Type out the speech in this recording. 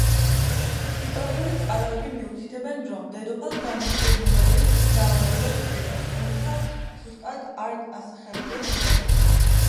ისტორიული წყაროები მიუთითებენ, რომ დედოფალს განუკურნებელი დაავადება სჭირდა, თუმცა ზუსტად არ ასახელებენ რომელი.